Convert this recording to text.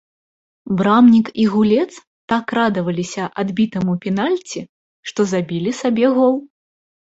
Брамнік і гулец так радаваліся адбітаму пенальці, што забілі сабе гол.